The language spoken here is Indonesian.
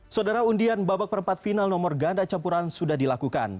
saudara undian babak perempat final nomor ganda campuran sudah dilakukan